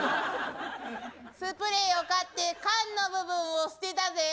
スプレーを買って缶の部分を捨てたぜぇ。